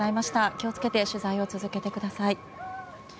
気を付けて取材を続けてください。